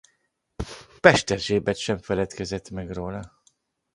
Pesterzsébet sem feledkezett meg róla.